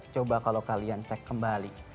coba kalau kalian cek kembali